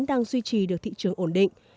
đang duy trì được thị trường ổn định